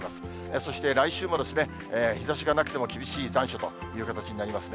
そして、来週も日ざしがなくても厳しい残暑という形になりますね。